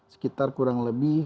sekitar kurang lebih